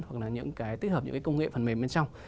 hoặc là những cái tích hợp những cái công nghệ phần mềm bên trong